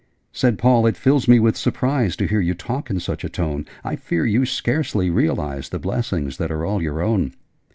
Said Paul 'It fills me with surprise To hear you talk in such a tone: I fear you scarcely realise The blessings that are all your own!